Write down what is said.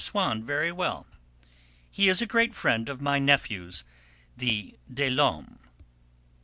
Swann very well; he is a great friend of my nephews, the des Laumes."